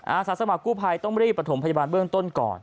อาสาสมัครกู้ภัยต้องรีบประถมพยาบาลเบื้องต้นก่อน